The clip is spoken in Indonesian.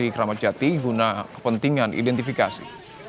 di kramat jati guna kepentingan identifikasi